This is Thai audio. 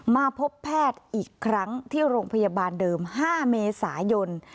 มาพบแพทย์อีกครั้งที่โรงพยาบาลเดิม๕เมษายน